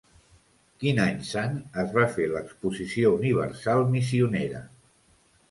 Quin any sant es va fer l'Exposició Universal Missionera?